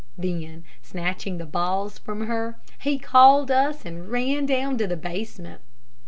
Then snatching the balls from her, he called us and ran down to the basement.